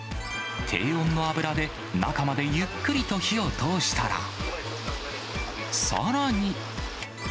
低温の油で、中までゆっくりと火を通したら、さらに。